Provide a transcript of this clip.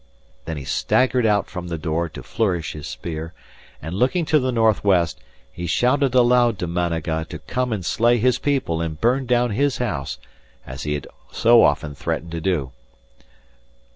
Then he staggered out from the door to flourish his spear; and looking to the north west, he shouted aloud to Managa to come and slay his people and burn down his house, as he had so often threatened to do.